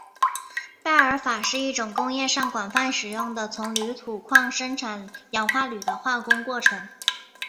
拜耳法是一种工业上广泛使用的从铝土矿生产氧化铝的化工过程。